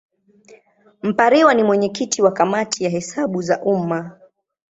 Mpariwa ni mwenyekiti wa Kamati ya Hesabu za Umma.